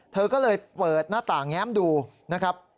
เธอก็เลยเปิดหน้าต่างแง้มดูนะครับ